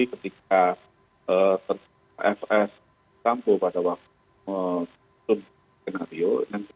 ketika terdapat fs sambo pada waktu